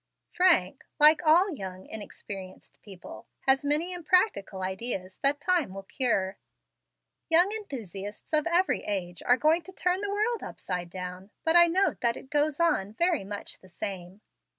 Frank, like all young, inexperienced people, has many impractical ideas, that time will cure. Young enthusiasts of every age are going to turn the world upside down, but I note that it goes on very much the same."